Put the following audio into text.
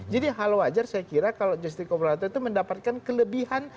jadi hal wajar saya kira kalau justice kolaborator itu mendapatkan kelebihan